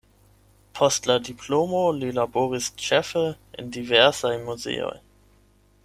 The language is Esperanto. Post la diplomo li laboris ĉefe en diversaj muzeoj.